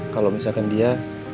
kalau misalkan dia